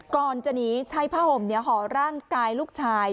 ก่อนจะหนีใช้ผ้าห่มห่อร่างกายลูกชาย